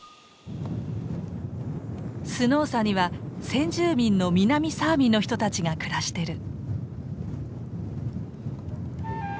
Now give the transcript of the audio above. スノーサには先住民の南サーミの人たちが暮らしてる。